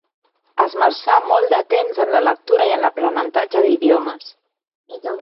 Esmerçà molt de temps en la lectura i en l’aprenentatge d’idiomes.